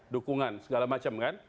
dukungan segala macam kan